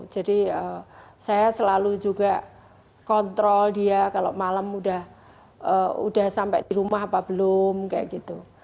jadi saya selalu juga kontrol dia kalau malam sudah sampai di rumah atau belum kayak gitu